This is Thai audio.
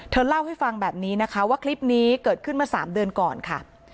เล่าให้ฟังแบบนี้นะคะว่าคลิปนี้เกิดขึ้นมา๓เดือนก่อนค่ะ